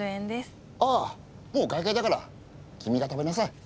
ああもう会計だから君が食べなさい。